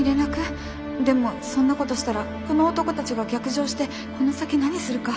でもそんなことしたらこの男たちが逆上してこの先何するか。